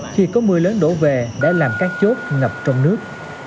khi có mưa lớn đổ về đã làm các chốt ngập trong nước